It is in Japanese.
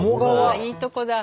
いいとこだ。